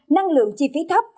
năng lượng chi phí thấp